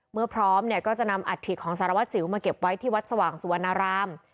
พร้อมเนี่ยก็จะนำอัฐิของสารวัสสิวมาเก็บไว้ที่วัดสว่างสุวรรณราม